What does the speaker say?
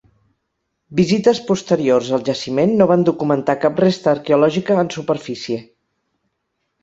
Visites posteriors al jaciment no van documentar cap resta arqueològica en superfície.